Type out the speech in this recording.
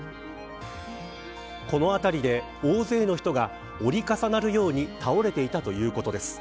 この辺りで大勢の人が折り重なるように倒れていたということです。